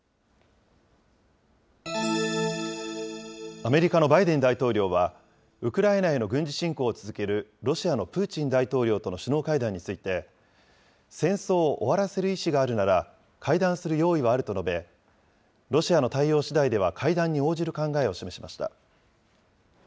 アメリカのバイデン大統領は、ウクライナへの軍事侵攻を続けるロシアのプーチン大統領との首脳会談について、戦争を終わらせる意思があるなら会談する用意はあると述べ、ロシアの対応しだいでは会談に応じる考えを示しました。